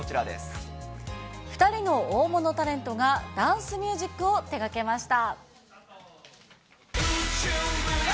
２人の大物タレントがダンスミュージックを手がけました。